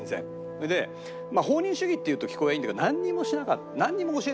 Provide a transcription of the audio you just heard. それで放任主義っていうと聞こえはいいんだけどなんにもしなかった。